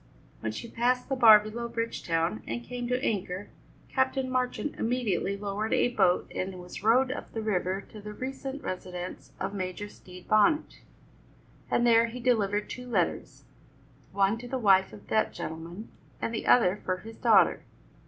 When she passed the bar below Bridgetown and came to anchor, Captain Marchand immediately lowered a boat and was rowed up the river to the recent residence of Major Stede Bonnet, and there he delivered two letters one to the wife of that gentleman, and the other for his daughter.